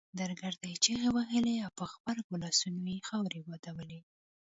درګرده يې چيغې وهلې په غبرګو لاسونو يې خاورې بادولې.